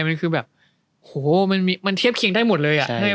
มันคือแบบโหมันเทียบเคียงได้หมดเลยอ่ะ